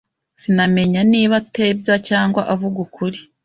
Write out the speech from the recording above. Sinamenya niba atebya cyangwa avuga ukuri.